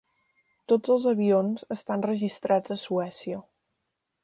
Tots els avions estan registrats a Suècia.